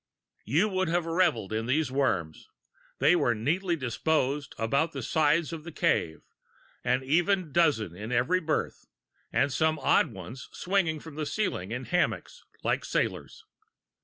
You would have revelled in those worms! They were neatly disposed about the sides of the cave, an even dozen in each berth, and some odd ones swinging from the ceiling in hammocks, like sailors.